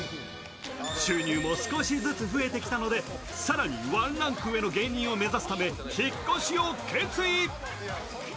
収入も少しずつ増えてきたので更にワンランク上の芸人を目指すため引っ越しを決意。